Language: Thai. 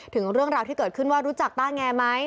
ถึงเรื่องราวที่เกิดขึ้นว่ารู้จักต้าแงไหม